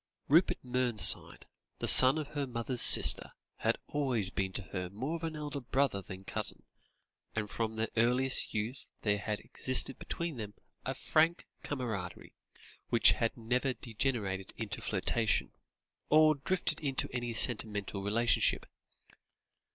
Rupert Mernside, the son of her mother's sister, had always been to her more of elder brother than cousin, and from their earliest youth there had existed between them a frank camaraderie which had never degenerated into flirtation, or drifted into any sentimental relationship.